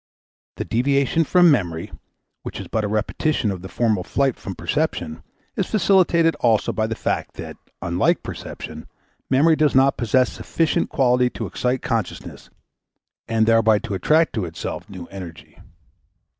The deviation from memory, which is but a repetition of the former flight from perception, is facilitated also by the fact that, unlike perception, memory does not possess sufficient quality to excite consciousness and thereby to attract to itself new energy.